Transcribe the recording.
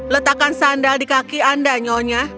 letakkan sandal di kaki anda nyonya